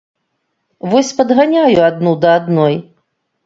Вось падганяю адну да адной.